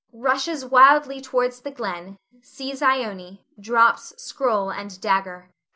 [Rushes wildly towards the glen, sees Ione, _drops scroll and dagger.